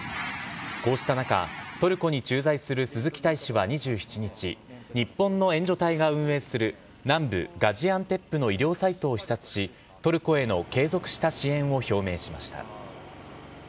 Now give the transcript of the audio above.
こうした中、トルコに駐在する鈴木大使は２７日、日本の援助隊が運営する南部ガジアンテップの医療サイトを視察し、トルコへの継続した支援を表明しました。